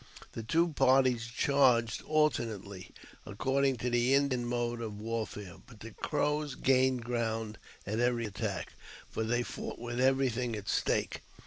The two parties charged alternately, according to the Indian mode of warfare ; but the Crows gained ground at every attack, for they fought with everything at stake.